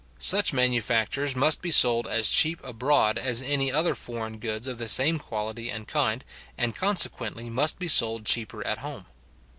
Such manufactures must be sold as cheap abroad as any other foreign goods of the same quality and kind, and consequently must be sold cheaper at home.